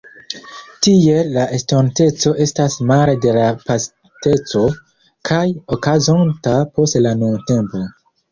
Tiel, la estonteco estas male de la pasinteco, kaj okazonta post la nuntempo.